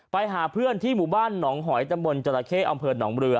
ไปหาเพื่อนที่หมู่บ้านหนองหอยตำบลจราเข้อำเภอหนองเรือ